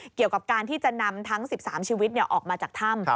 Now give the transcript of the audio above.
เกี่ยวกับการที่จะนำทั้ง๑๓ชีวิตออกมาจากถ้ำ